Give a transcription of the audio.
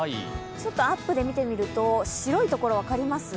アップで見てみると、白いところ分かります？